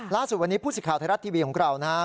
ล่าสุดวันนี้ผู้สิทธิ์ไทยรัฐทีวีของเรานะครับ